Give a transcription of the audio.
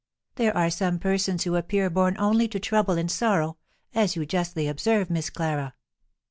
"There are some persons who appear born only to trouble and sorrow, as you justly observe, Miss Clara."